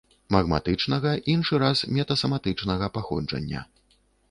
Магматычнага, іншы раз метасаматычнага паходжання.